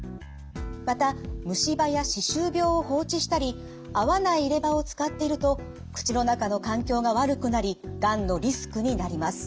また虫歯や歯周病を放置したり合わない入れ歯を使っていると口の中の環境が悪くなりがんのリスクになります。